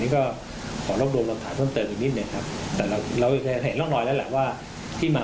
พี่สาวเขาอาจจะทำงานเกี่ยวกับเรื่องยา